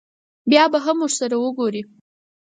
بیا به هم ورسره وګوري.